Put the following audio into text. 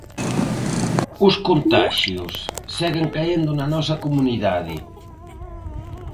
Os contaxios seguen caendo na nosa comunidade.